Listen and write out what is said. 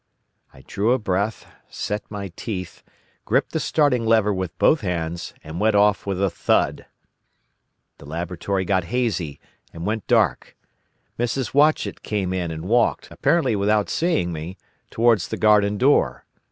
"I drew a breath, set my teeth, gripped the starting lever with both hands, and went off with a thud. The laboratory got hazy and went dark. Mrs. Watchett came in and walked, apparently without seeing me, towards the garden door.